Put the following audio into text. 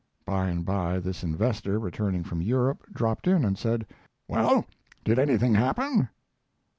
By and by this investor, returning from Europe, dropped in and said: "Well, did anything happen?"